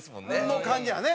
の感じやね。